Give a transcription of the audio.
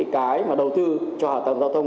cái mà đầu tư cho hạ tầng giao thông